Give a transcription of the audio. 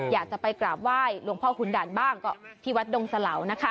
อยากจะไปกราบไหว้หลวงพ่อขุนด่านบ้างก็ที่วัดดงสะเหลานะคะ